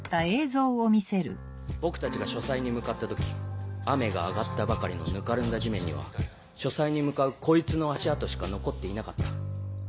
僕たちが書斎に向かった時雨が上がったばかりのぬかるんだ地面には書斎に向かうこいつの足跡しか残っていなかった。